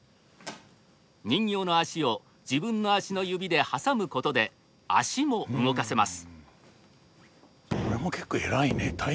人形の足を自分の足の指で挟むことで足も動かせます。